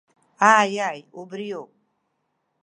Ааи, ааи, убриоуп…